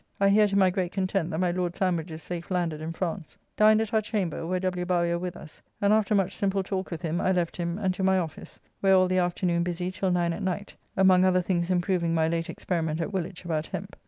I hear, to my great content, that my Lord Sandwich is safe landed in France. Dined at our chamber, where W. Bowyer with us, and after much simple talk with him, I left him, and to my office, where all the afternoon busy till 9 at night, among other things improving my late experiment at Woolwich about hemp.